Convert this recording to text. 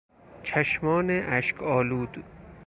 چشمان اشک آلود